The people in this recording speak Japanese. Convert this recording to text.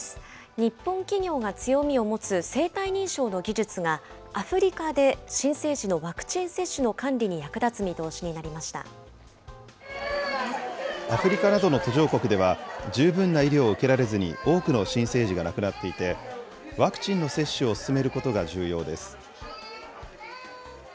日本企業が強みを持つ生態認証の技術が、アフリカで新生児のワクチン接種の管理に役立つ見通しにアフリカなどの途上国では、十分な医療を受けられずに多くの新生児が亡くなっていて、ワクチンの接種を進めることが重要です。